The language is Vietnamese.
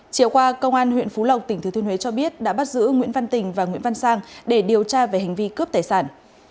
chiều qua công an huyện phú lộc tỉnh thứ thiên huế cho biết đã bắt giữ nguyễn văn tình và nguyễn văn sang để điều tra về hành vi cướp tài sản